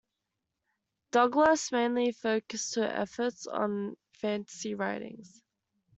Douglass mainly focused her efforts on fantasy writings.